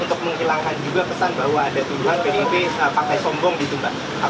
untuk menghilangkan juga pesan bahwa ada tuduhan pdip pakai sombong ditumbang